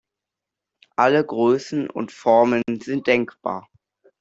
Alle Größen und Formen sind denkbar.